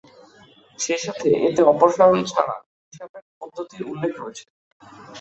সেসাথে এতে অপসারণ ছাড়া হিসাবের পদ্ধতির উল্লেখ রয়েছে।